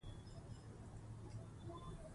د عصبي سیستم طبیعت ته کتل فشار راکموي.